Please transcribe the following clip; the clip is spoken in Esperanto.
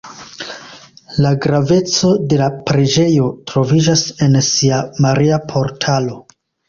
La graveco de la preĝejo troviĝas en sia „Maria-Portalo“.